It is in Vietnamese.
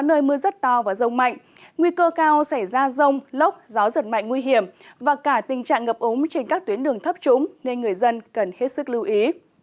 nguy cơ cao xảy ra rông lốc gió giật mạnh nguy hiểm và cả tình trạng ngập ống trên các tuyến đường thấp trúng nên người dân cần hết sức lưu ý